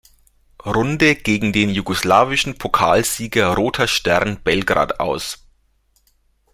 Runde gegen den jugoslawischen Pokalsieger Roter Stern Belgrad aus.